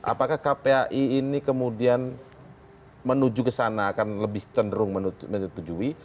apakah kpai ini kemudian menuju ke sana akan lebih cenderung menyetujui